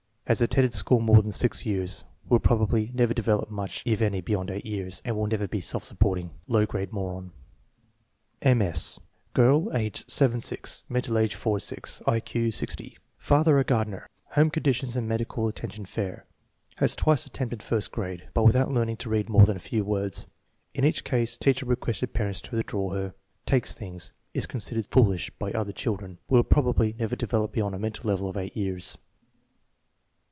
Has attended school more than six years. Will probably never develop much if any beyond 8 years, and will never be self supporting. Low grade moron. M. S. Girl, ago 7 0; mental age /H>; I Q 6*0. Father a gardener, home conditions and medical attention fair. Has twice attempted first grade, but without learning to read more than u few words. In each case teacher requested parents to withdraw her. "Takes" things. Is considered "foolish" by the other children. Will prob ably never develop beyond a mental level of 8 years.